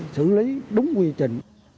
sử lý đúng quy trình